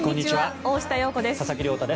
大下容子です。